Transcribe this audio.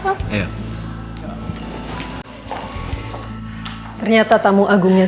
om nyampe juga